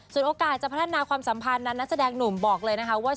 ส่วนโอกาสจะพัฒนาความสัมพันธ์นั้นนักแสดงหนุ่มบอกเลยนะคะว่า